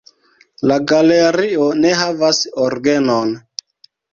La galerio ne havas orgenon.